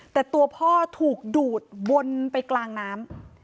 แต่ตัวพ่อถูกดูดวนไปกลางน้ำ